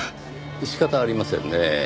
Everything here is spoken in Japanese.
仕方ありませんねぇ。